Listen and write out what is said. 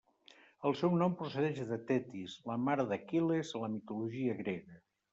El seu nom procedeix de Tetis, la mare d'Aquil·les a la mitologia grega.